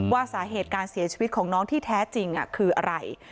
ว่าสาเหตุการเสียชีวิตของน้องที่แท้จริงคืออะไร